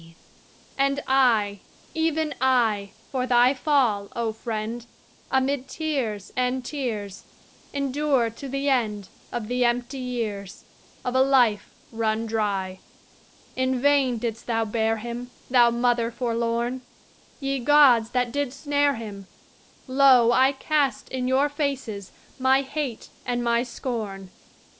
A Maiden And I, even I, For thy fall, O Friend, Amid tears and tears, Endure to the end Of the empty years, Of a life run dry. In vain didst thou bear him, Thou Mother forlorn! Ye Gods that did snare him, Lo, I cast in your faces My hate and my scorn!